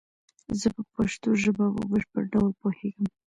زه په پشتو ژبه په بشپړ ډول پوهیږم